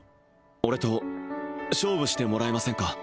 俺と勝負してもらえませんか？